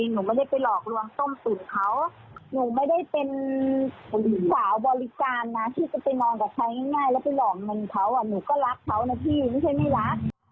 หนูก็รักเขานะพี่ไม่ใช่ไม่รัก